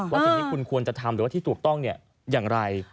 สิ่งที่คุณควรจะทำหรือว่าที่ถูกต้องอย่างไร